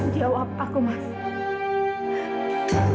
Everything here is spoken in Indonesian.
jawab aku mas